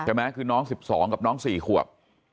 ใช่ไหมคือน้องสิบสองกับน้องสี่ขวบ